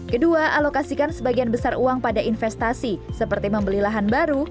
kedua alokasikan sebagian besar uang pada investasi seperti membeli lahan baru